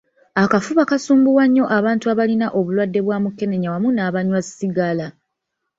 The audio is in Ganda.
Akafuba kasumbuwa nnyo abantu abalina obulwadde bwa mukenenya wamu n'abanywa sigala